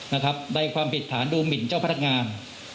ในความผิดฐานดูหมินเจ้าพนักงาน